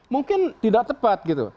mungkin tidak tepat gitu